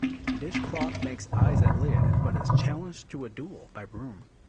Dishcloth makes eyes at Lid but is challenged to a duel by Broom.